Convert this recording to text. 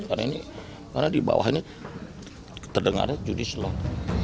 karena ini karena di bawah ini terdengarnya judi slot